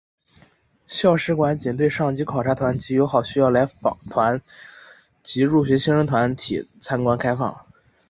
校史馆仅对上级考察团及友好学校来访团及入学新生团体参观开放。